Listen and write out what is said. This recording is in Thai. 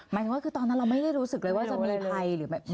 หมายถึงว่าคือตอนนั้นเราไม่ได้รู้สึกเลยว่าจะมีภัยหรือแบบ